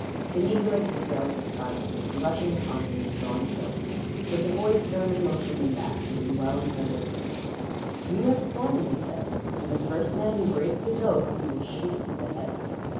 The negroes, with yells of triumph, were rushing upon him with drawn swords; but the boys sternly motioned them back, keeping well in front of their prisoner. "You have sworn," they said, "and the first man who breaks his oath we will shoot through the head."